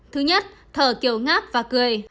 thứ nhất thở kiểu ngáp và cười